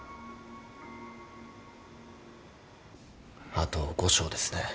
あと５床ですね。